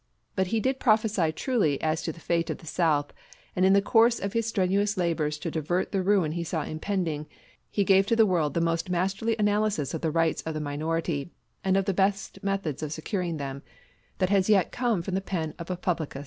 But he did prophesy truly as to the fate of the South; and in the course of his strenuous labors to divert the ruin he saw impending, he gave to the world the most masterly analysis of the rights of the minority and of the best methods of securing them that has yet come from the pen of a publicist.